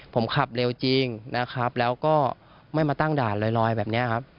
ผมขับเร็วจริงนะครับแล้วก็ไม่มาตั้งด่านลอยแบบนี้ครับ